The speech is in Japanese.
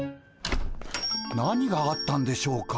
何があったんでしょうか？